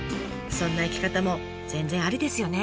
そんな生き方も全然ありですよね。